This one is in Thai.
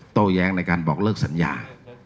โต้แย้งในการบอกเลิกสัญญา